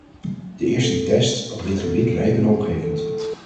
De eerste tests op dit gebied lijken hoopgevend.